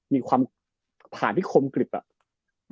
มีความผ่านที่คมกริบอ่ะ